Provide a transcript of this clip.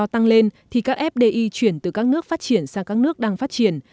tăng lên thì các fdi chuyển từ các nước phát triển sang các nước đang phát triển